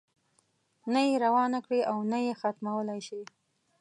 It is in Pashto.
نه یې روانه کړې او نه یې ختمولای شي.